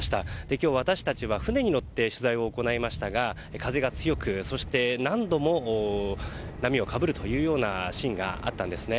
今日、私たちは船に乗って取材を行いましたが風が強く、そして何度も波をかぶるというシーンがあったんですね。